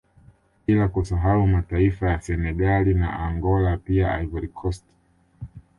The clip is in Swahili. Bila kusahau mataifa ya Senegali na Angola pia Ivorycost